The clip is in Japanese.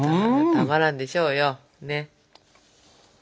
たまらんでしょうよねっ。